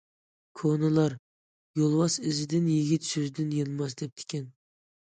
كونىلار‹‹ يولۋاس ئىزىدىن، يىگىت سۆزىدىن يانماس›› دەپتىكەن.